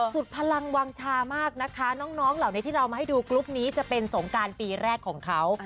สุดพลังวางชามากนะคะน้องเหล่านี้ที่เรามาให้ดูกรุ๊ปนี้จะเป็นสงการปีแรกของเขา